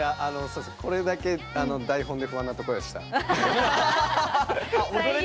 これだけ、台本で不安なところでした。